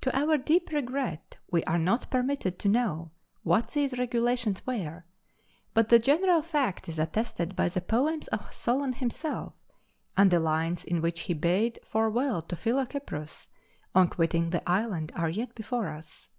To our deep regret, we are not permitted to know what these regulations were; but the general fact is attested by the poems of Solon himself, and the lines in which he bade farewell to Philocyprus on quitting the island are yet before us.